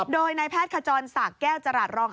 โดยนายแพทย์ขจรศักดิ์แก้วจราชรอง